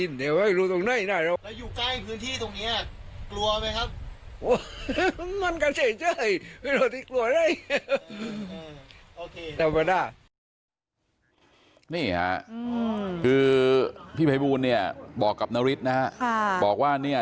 นี่ค่ะคือพี่ภัยบูลเนี่ยบอกกับนฤทธิ์นะฮะบอกว่าเนี่ย